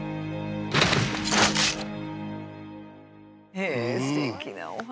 へえすてきなお話！